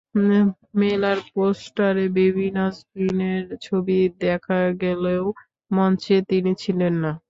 মেলার পোস্টারে বেবি নাজনীনের ছবি দেখা গেলেও মঞ্চে তিনি ছিলেন না।